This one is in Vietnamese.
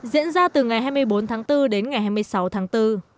diễn ra từ ngày hai mươi bốn tháng bốn đến ngày hai mươi sáu tháng bốn